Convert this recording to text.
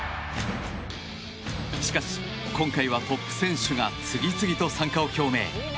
しかし今回はトップ選手が次々と参加を表明。